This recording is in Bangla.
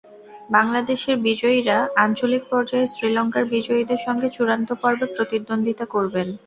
বাংলাদেশের বিজয়ীরা আঞ্চলিক পর্যায়ে শ্রীলঙ্কার বিজয়ীদের সঙ্গে চূড়ান্ত পর্বে প্রতিদ্বন্দ্বিতা করবেন।